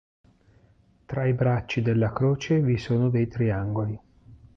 Tra i bracci della croce vi sono dei triangoli.